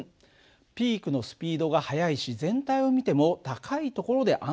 ピークのスピードが速いし全体を見ても高いところで安定してるよね。